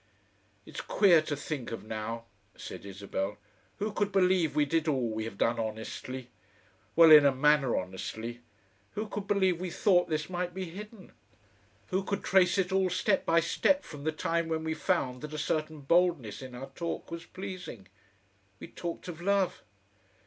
"It's queer to think of now," said Isabel. "Who could believe we did all we have done honestly? Well, in a manner honestly. Who could believe we thought this might be hidden? Who could trace it all step by step from the time when we found that a certain boldness in our talk was pleasing? We talked of love....